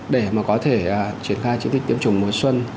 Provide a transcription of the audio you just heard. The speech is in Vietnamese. để mà có thể triển khai chiến dịch tiêm chủng mùa xuân